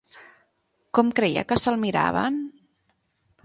Com creia que se'l miraven?